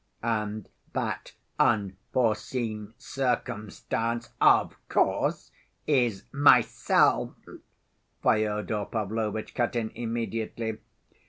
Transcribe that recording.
"And that unforeseen circumstance, of course, is myself," Fyodor Pavlovitch cut in immediately.